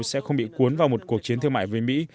sẽ không bị cuốn vào một cuộc chiến thương mại với mỹ